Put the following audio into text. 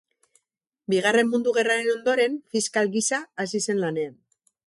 Bigarren Mundu Gerraren ondoren, fiskal gisa hasi zen lanean.